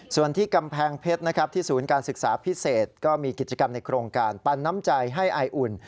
ส่วนที่กำแพงเพชรนะครับที่ศูนย์การศึกษาพิเศษก็มีกิจกรรมในโครงการปันน้ำใจให้ไออุ่น